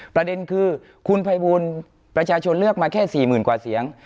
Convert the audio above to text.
ประเด็นคือคุณภัยบูลประชาชนเลือกมาแค่๔๐๐๐กว่าเสียง